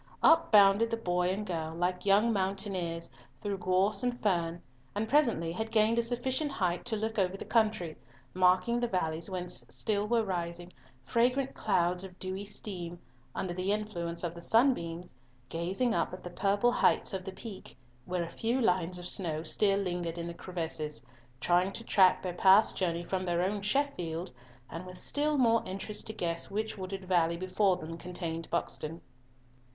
Up bounded the boy and girl, like young mountaineers, through gorse and fern, and presently had gained a sufficient height to look over the country, marking the valleys whence still were rising "fragrant clouds of dewy steam" under the influence of the sunbeams, gazing up at the purple heights of the Peak, where a few lines of snow still lingered in the crevices, trying to track their past journey from their own Sheffield, and with still more interest to guess which wooded valley before them contained Buxton.